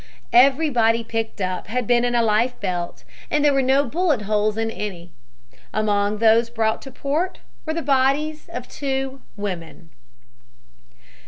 Everybody picked up had been in a life belt and there were no bullet holes in any. Among those brought to port were the bodies of two women.